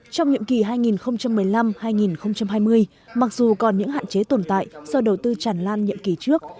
trong nhiệm kỳ hai nghìn một mươi năm hai nghìn hai mươi mặc dù còn những hạn chế tồn tại do đầu tư chản lan nhiệm kỳ trước